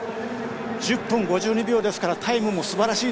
１０分５２秒なのでタイムもすばらしい。